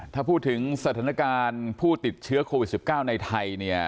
ถ้าพูดถึงสถานการณ์ผู้ติดเชื้อโควิด๑๙ในไทยเนี่ย